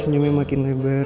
senyum aja makin lebar